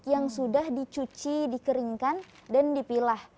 yang sudah dicuci dikeringkan dan dipilah